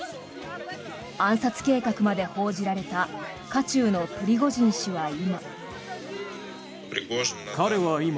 暗殺計画まで報じられた渦中のプリゴジン氏は今。